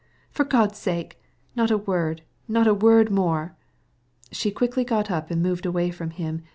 "For pity's sake, not a word, not a word more." She rose quickly and moved away from him.